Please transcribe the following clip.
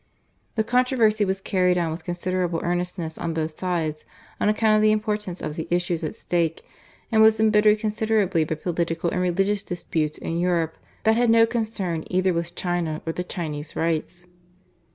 The controversy was carried on with considerable earnestness on both sides on account of the importance of the issues at stake, and was embittered considerably by political and religious disputes in Europe that had no concern either with China or the Chinese Rites.